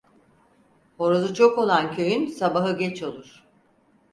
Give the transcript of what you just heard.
Horozu çok olan köyün sabahı geç olur.